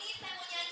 biasa aja lah